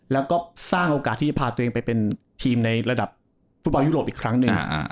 แล้วก็สร้างโอกาสที่จะพาตัวเองไปเป็นทีมในระดับฟุตบอลยุโรปอีกครั้งหนึ่ง